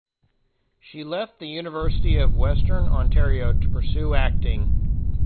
She left the University of Western Ontario to pursue acting.